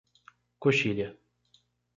Coxilha